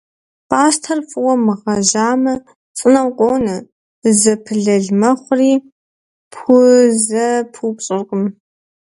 Пӏастэр фӏыуэ мыгъэжьамэ цӏынэу къонэ, зэпылэл мэхъури пхузэпыупщӏыркъым.